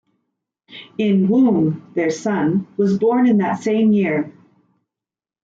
In-Woong, their son, was born in that same year.